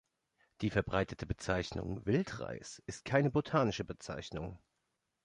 Die verbreitete Bezeichnung „Wildreis“ ist keine botanische Bezeichnung.